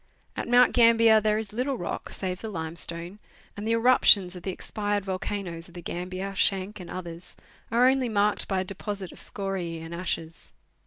At Mount Gambier there is little rock, save the limestone, and the eruptions of the expired volcanoes of the Gambier, Schanck and others are only marked by a deposit of scoriae and ashes.